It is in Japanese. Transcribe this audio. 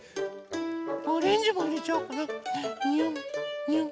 オレンジもいれちゃおうかな。によんにょん。